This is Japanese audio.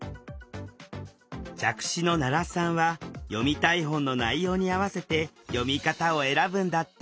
弱視の奈良さんは読みたい本の内容に合わせて読み方を選ぶんだって